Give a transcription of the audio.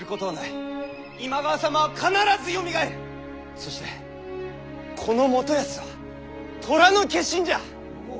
そしてこの元康は寅の化身じゃ。